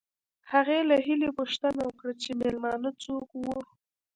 هغې له هیلې پوښتنه وکړه چې مېلمانه څوک وو